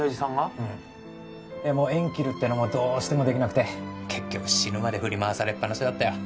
うんでも縁切るってのもどうしてもできなくて結局死ぬまで振り回されっぱなしだったよ